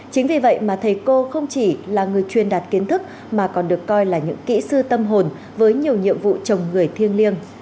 chính vì vậy mà thầy cô không chỉ là người truyền đạt kiến thức mà còn được coi là những kỹ sư tâm hồn với nhiều nhiệm vụ chồng người thiêng liêng